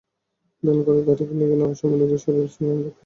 ভ্যানে করে বাইরের ক্লিনিকে নেওয়ার সময় রোগীর শরীরে স্যালাইন চলতে থাকে।